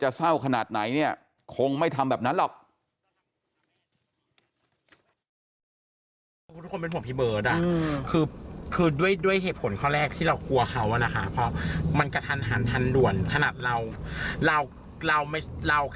เศร้าขนาดไหนเนี่ยคงไม่ทำแบบนั้นหรอก